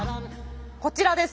こちらです。